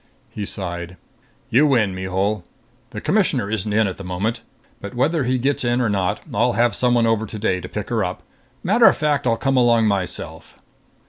He sighed. "You win, Mihul! The Commissioner isn't in at the moment. But whether he gets in or not, I'll have someone over today to pick her up. Matter of fact, I'll come along myself."